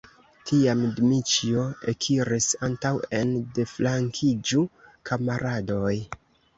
Tiam Dmiĉjo ekiris antaŭen: "deflankiĝu, kamaradoj!"